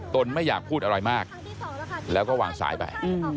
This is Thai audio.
ไม่อยากพูดอะไรมากแล้วก็วางสายไป